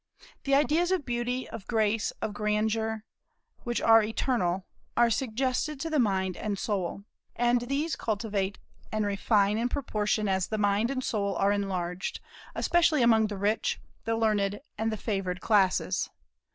The ideas of beauty, of grace, of grandeur, which are eternal, are suggested to the mind and soul; and these cultivate and refine in proportion as the mind and soul are enlarged, especially among the rich, the learned, and the favored classes.